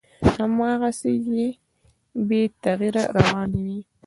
هماغسې بې تغییره روان وي،